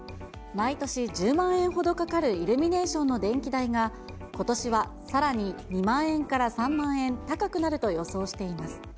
毎年１０万円ほどかかるイルミネーションの電気代が、ことしはさらに２万円から３万円高くなると予想しています。